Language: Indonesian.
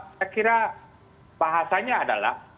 saya kira bahasanya adalah